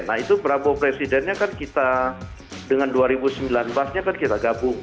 nah itu prabowo presidennya kan kita dengan dua ribu sembilan belas nya kan kita gabung